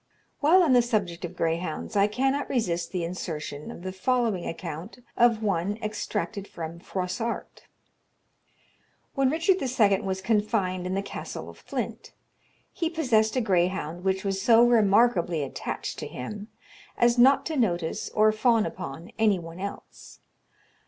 While on the subject of greyhounds, I cannot resist the insertion of the following account of one extracted from Froissart: When Richard II. was confined in the Castle of Flint, he possessed a greyhound, which was so remarkably attached to him, as not to notice or fawn upon any one else.